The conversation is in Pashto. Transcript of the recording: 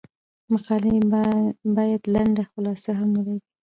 مقالې باید لنډه خلاصه هم ولري.